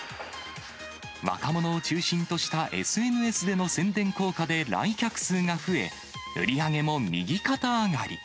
若者を中心としたＳＮＳでの宣伝効果で来客数が増え、売り上げも右肩上がり。